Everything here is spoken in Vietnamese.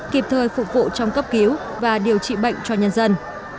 kịp thời phục vụ trong cấp cứu và điều trị bệnh cho nhân dân